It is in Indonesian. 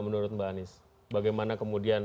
menurut mbak anies bagaimana kemudian